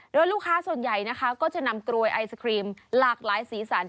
โดยลูกค้าส่วนใหญ่นะคะก็จะนำกรวยไอศครีมหลากหลายสีสัน